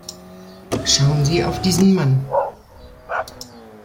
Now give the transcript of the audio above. Schauen Sie auf diesen Mann.